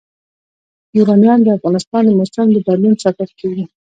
یورانیم د افغانستان د موسم د بدلون سبب کېږي.